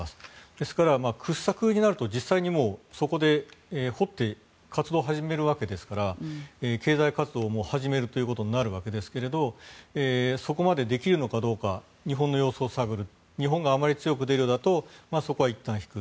ですから、掘削になると実際にそこで掘って活動を始めるわけですから経済活動を始めるということになるわけですがそこまでできるのかどうか日本の様子を探る日本があまり強く出るようだとそこはいったん引く。